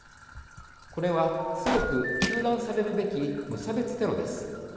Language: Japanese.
これは、強く糾弾されるべき無差別テロです。